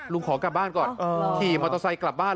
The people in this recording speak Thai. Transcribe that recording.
ขอกลับบ้านก่อนขี่มอเตอร์ไซค์กลับบ้าน